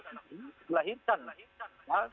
nah kita harus melahirkan ya